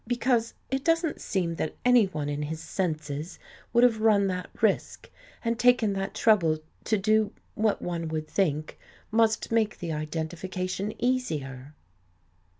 Because, It doesn't seem that anyone In his senses would have run that risk and taken that trouble to do, what one would think, must make the identification easier."